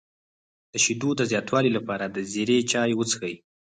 د شیدو د زیاتوالي لپاره د زیرې چای وڅښئ